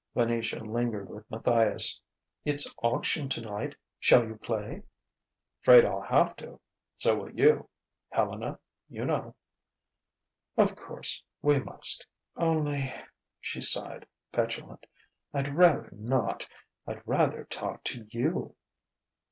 Venetia lingered with Matthias. "It's auction, tonight. Shall you play?" "'Fraid I'll have to. So will you. Helena you know " "Of course. We must. Only" she sighed, petulant "I'd rather not. I'd rather talk to you."